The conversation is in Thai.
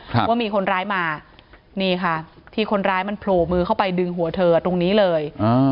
ว่ามีคนร้ายมานี่ค่ะที่คนร้ายมันโผล่มือเข้าไปดึงหัวเธอตรงนี้เลยอ่า